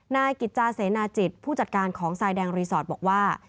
นายกิจจาเสนาจิตผู้จัดการของทรายแดงรีสอร์ทบอกว่า